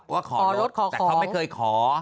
ว่าขอแต่เขาไม่เคยขอ